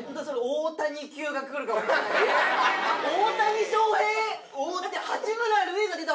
大谷翔平！